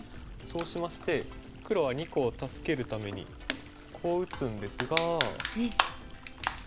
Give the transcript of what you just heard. そうしまして黒は２個を助けるためにこう打つんですが。